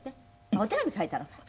お手紙書いたのか。